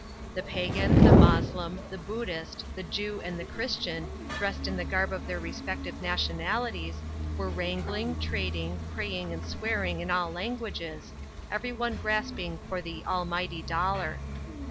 The pagan, the Moslem, the Buddhist, the Jew and the Christian dressed in the garb of their respective nationalities, were wrangling, trading, praying and swearing in all languages, every one grasping for the "almighty dollar."